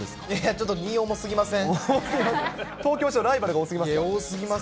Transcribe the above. ちょっと荷重すぎません？